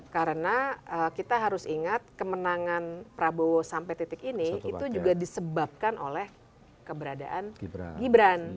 karena kita harus ingat kemenangan prabowo sampai titik ini itu juga disebabkan oleh keberadaan gibran